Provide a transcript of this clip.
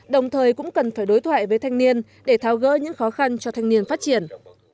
đồng thời cũng cần phải đối thoại với thanh niên để thao gỡ những khó khăn cho thanh niên phát triển